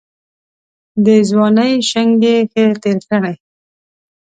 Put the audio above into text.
د ځوانۍ شنګ یې ښه تېر کړی.